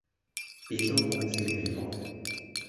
便都哄笑起來。